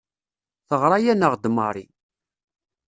Teɣra-aneɣ-d Mary.